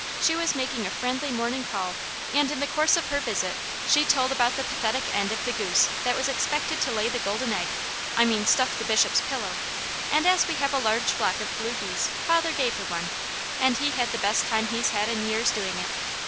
She was making a friendly morning call and in the course of her visit she told about the pathetic end of the goose that was expected to lay the golden egg I mean stuff the Bishop's pillow and as we have a large flock of blue geese, father gave her one, and he had the best time he's had in years doing it.